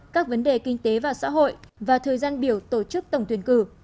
các vấn đề kinh tế và xã hội và thời gian biểu tổ chức tổng tuyển cử